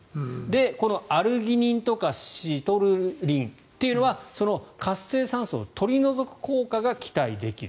このアルギニンとかシトルリンというのはその活性酸素を取り除く効果が期待できる。